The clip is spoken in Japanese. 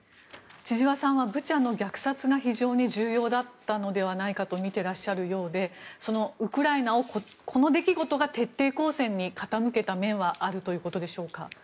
千々和さんはブチャの虐殺が非常に重要だったのではないかとみてらっしゃるようでウクライナをこの出来事が徹底抗戦に傾けた面はあるということでしょうか。